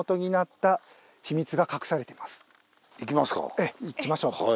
ええ行きましょう。